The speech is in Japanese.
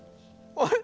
あれ？